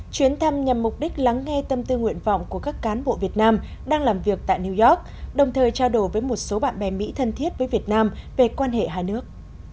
chuyến thăm nhằm mục đích lắng nghe tâm tư nguyện vọng của các cán bộ việt nam đang làm việc tại new york đồng thời trao đổi với một số bạn bè mỹ thân thiết với việt nam về quan hệ hai nước